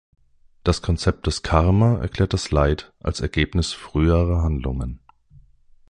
Das Konzept des Karma erklärt das Leid als Ergebnis früherer Handlungen.